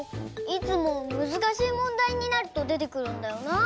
いつもむずかしいもんだいになるとでてくるんだよな。